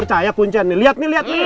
kecaya kuncen nih liat nih liat nih